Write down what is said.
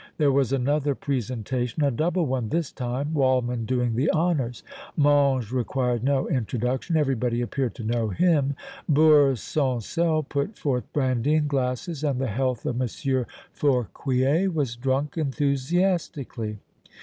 There was another presentation, a double one this time, Waldmann doing the honors. Mange required no introduction. Everybody appeared to know him. Beurre Sans Sel put forth brandy and glasses, and the health of Monsieur Fouquier was drunk enthusiastically.